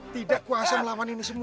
tidak kuasa melawan ini semua